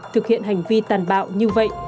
thực hiện hành vi tàn bạo như vậy